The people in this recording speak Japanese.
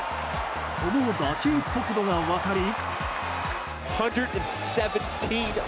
その打球速度が分かり。